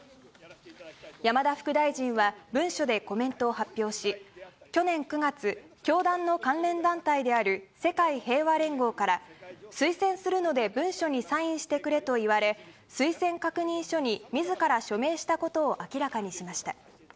山田副大臣は、文書でコメントを発表し、去年９月、教団の関連団体である世界平和連合から推薦するので文書にサインしてくれと言われ、推薦確認書にみずから署名したことを明らかにしました。